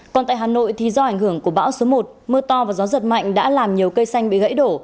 còn tại hà nội thì do ảnh hưởng của bão số một mưa to và gió giật mạnh đã làm nhiều cây xanh bị gãy đổ